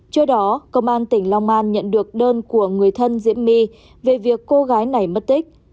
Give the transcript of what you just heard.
trước đó công an tỉnh long an nhận được đơn của người thân diễm my về việc cô gái này mất tích